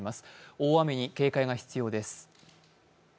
大雨に警戒が必要です。